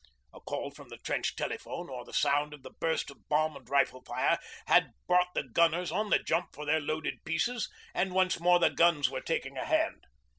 A call from the trench telephone, or the sound of the burst of bomb and rifle fire, had brought the gunners on the jump for their loaded pieces, and once more the guns were taking a hand.